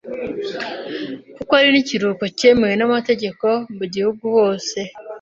kuko ari n’ikiruhuko cyemewe n’amategeko mu gihugu hose.